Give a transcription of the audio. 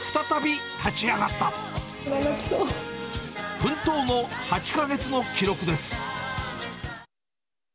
奮闘の８か月の記録です。